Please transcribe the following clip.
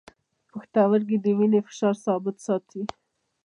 پښتورګي د وینې فشار ثابت ساتي.